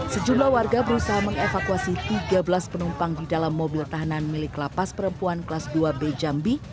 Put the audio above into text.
sejumlah warga berusaha mengevakuasi tiga belas penumpang di dalam mobil tahanan milik lapas perempuan kelas dua b jambi